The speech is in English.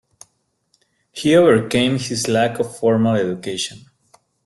He overcame his lack of formal education.